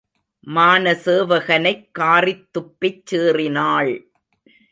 மானசவேகனைக் காறித் துப்பிச் சீறினாள்.